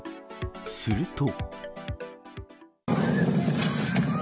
すると。